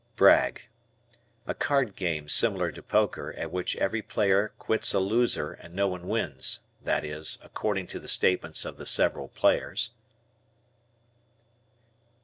Brag. A card game similar to poker at which every player quits a loser and no one wins, that is, according to the statements of the several players.